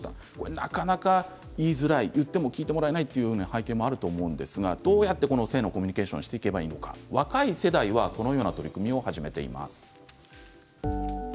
なかなか言いづらい言っても聞いてもらえないという背景もあるんですがどうやって性のコミュニケーションをしていけばいいのか若い世代はこのような取り組みを始めています。